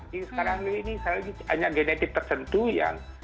jadi sekarang ini saya lagi hanya genetik tertentu yang